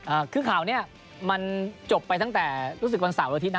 อ่าคือข่าวเนี้ยมันจบไปตั้งแต่รู้สึกวันเสาร์อาทิตนะ